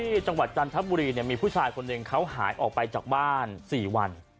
ที่จังหวัดจันทรัพย์บุรีเนี่ยมีผู้ชายคนหนึ่งเขาหายออกไปจากบ้านสี่วัน